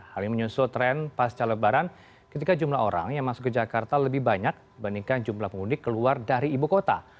hal ini menyusul tren pasca lebaran ketika jumlah orang yang masuk ke jakarta lebih banyak dibandingkan jumlah pemudik keluar dari ibu kota